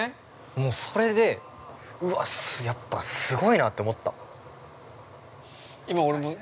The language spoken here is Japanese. ◆もうそれで、うわっ、やっぱすごいなと思ったもん。